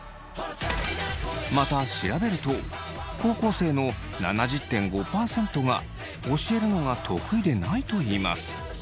また調べると高校生の７０．５％が教えるのが得意でないといいます。